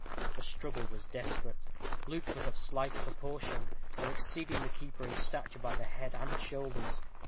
The struggle was desperate. Luke was of slighter proportion, though exceeding the keeper in stature by the head and shoulders.